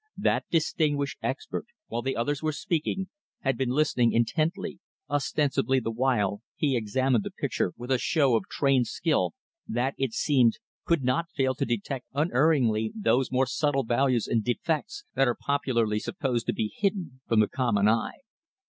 That distinguished expert, while the others were speaking, had been listening intently; ostensibly, the while, he examined the picture with a show of trained skill that, it seemed, could not fail to detect unerringly those more subtle values and defects that are popularly supposed to be hidden from the common eye.